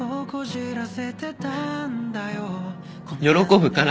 喜ぶから。